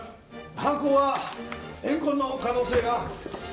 犯行は怨恨の可能性が。